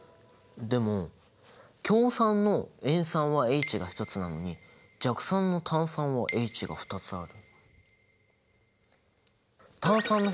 でも強酸の塩酸はＨが１つなのに弱酸の炭酸はＨが２つある。